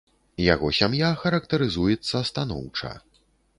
Яго сям'я характарызуецца станоўча.